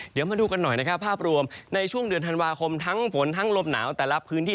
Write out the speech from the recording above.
เดี๋ยวมาดูกันหน่อยนะครับภาพรวมในช่วงเดือนธันวาคมทั้งฝนทั้งลมหนาวแต่ละพื้นที่